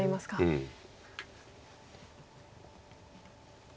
うん。